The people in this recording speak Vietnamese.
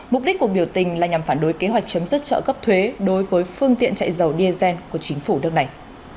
đức đã đối với kế hoạch chấm dứt trợ cấp thuế đối với phương tiện chạy dầu diesel của chính phủ đất này